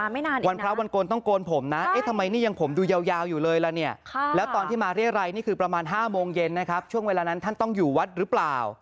๕โมงเย็นนะครับช่วงเวลานั้นท่านต้องอยู่วัดหรือเปล่า